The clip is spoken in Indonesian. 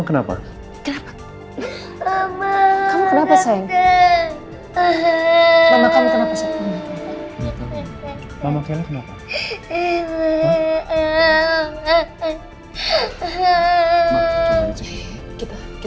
akan seperti apa hidup kamu kalau saya gak bantu kamu